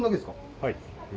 はい。